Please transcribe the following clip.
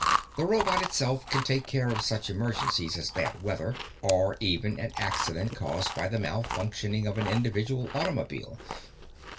The robot itself can take care of such emergencies as bad weather or even an accident caused by the malfunctioning of an individual automobile.